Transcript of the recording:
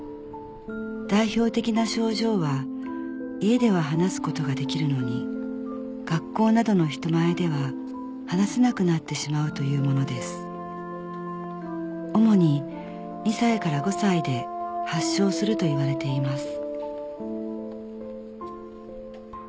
代表的な症状は家では話すことができるのに学校などの人前では話せなくなってしまうというものです主に２歳から５歳で発症するといわれています